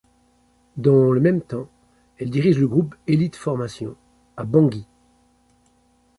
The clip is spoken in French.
Dans le même temps, elle dirige le groupe Elit’formations à Bangui.